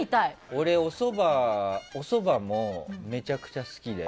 俺、おそばもめちゃくちゃ好きで。